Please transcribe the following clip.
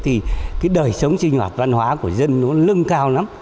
thì cái đời sống sinh hoạt văn hóa của dân nó lưng cao lắm